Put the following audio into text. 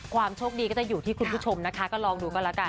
โชคดีก็จะอยู่ที่คุณผู้ชมนะคะก็ลองดูก็แล้วกัน